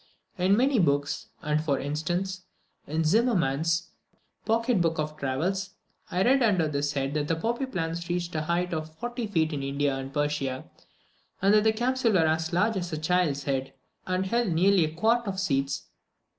In many books, and, for instance, in Zimmerman's "Pocket Book of Travels," I read under this head that the poppy plants reached a height of forty feet in India and Persia, and that the capsules were as large as a child's head, and held nearly a quart of seeds.